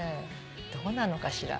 どうなのかしら。